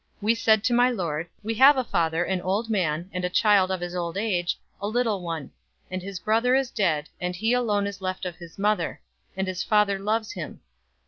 044:020 We said to my lord, 'We have a father, an old man, and a child of his old age, a little one; and his brother is dead, and he alone is left of his mother; and his father loves him.'